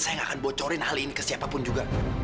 saya nggak akan bocorin hal ini ke siapapun juga